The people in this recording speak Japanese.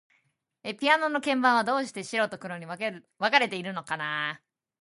ピアノの鍵盤は、どうして白と黒に分かれているのかな。